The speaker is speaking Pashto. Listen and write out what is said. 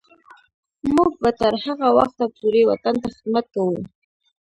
موږ به تر هغه وخته پورې وطن ته خدمت کوو.